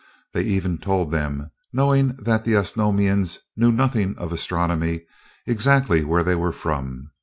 They even told them, knowing that the Osnomians knew nothing of astronomy, exactly where they were from.